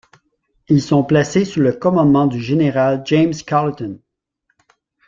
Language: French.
Ils sont placés sous le commandement du général James Carleton.